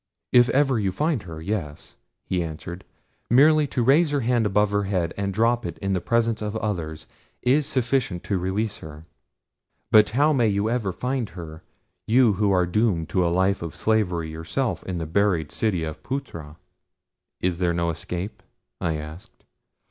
"If ever you find her, yes," he answered. "Merely to raise her hand above her head and drop it in the presence of others is sufficient to release her; but how may you ever find her, you who are doomed to a life of slavery yourself in the buried city of Phutra?" "Is there no escape?" I asked.